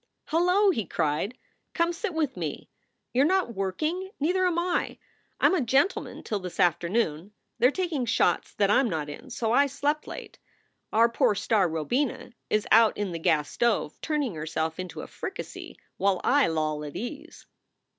"Hello!" he cried. "Come sit with me. You re not working? Neither am I. I m a gentleman till this afternoon. They re taking shots that I m not in, so I slept late. Our poor star, Robina, is out in the gas stove, turning herself into a fricassee while I loll at ease.